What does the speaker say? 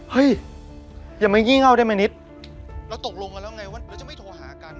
เฮ้ยอย่ามายี่เง่าได้ไหมนิดเราตกลงกันแล้วไงว่าเราจะไม่โทรหากัน